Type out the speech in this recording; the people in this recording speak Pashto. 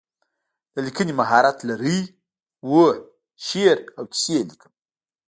د لیکنې مهارت لرئ؟ هو، شعر او کیسې لیکم